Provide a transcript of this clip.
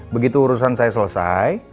begitu urusan saya selesai